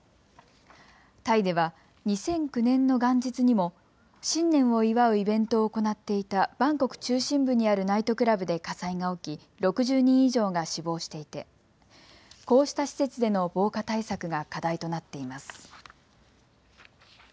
タイでは２００９年の元日にも新年を祝うイベントを行っていたバンコク中心部にあるナイトクラブで火災が起き６０人以上が死亡していてこうした施設での防火対策が課題となっています。